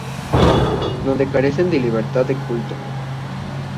Donde carecen de libertad de culto.